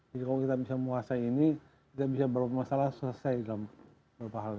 jadi kalau kita bisa menguasai ini kita bisa membuat masalah selesai dalam beberapa hal ini